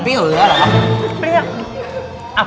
เปรี้ยวอยู่แล้วหรอเปรี้ยว